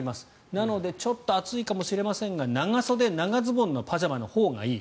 なので、ちょっと暑いかもしれませんが長袖・長ズボンのパジャマのほうがいい。